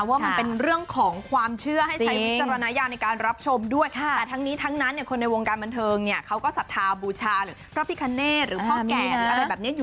ว่าค่ะมันเป็นเรื่องของความเชื่อให้ใช้วิจารณญาณครับจริงในการรับชมด้วย